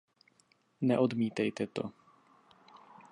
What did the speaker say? Neodmítejte to.